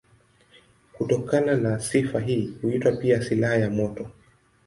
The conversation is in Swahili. Kutokana na sifa hii huitwa pia silaha ya moto.